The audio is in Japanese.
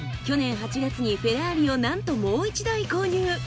去年８月にフェラーリをなんともう１台購入。